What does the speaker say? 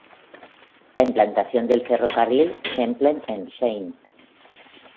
La implantación del ferrocarril Champlain and St.